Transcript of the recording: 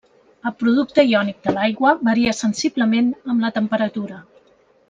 El producte iònic de l'aigua varia sensiblement amb la temperatura.